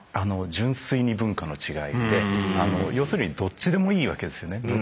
純粋に文化の違いで要するにどっちでもいいわけですよね。